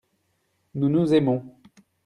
nous, nous aimons.